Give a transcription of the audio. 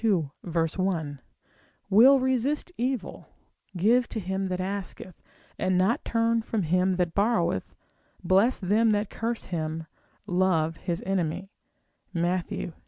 1; will resist evil, give to him that asketh, and not turn from him that borroweth, bless them that curse him, love his enemy, Matt.